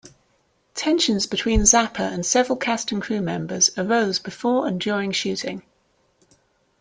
Tensions between Zappa and several cast and crew members arose before and during shooting.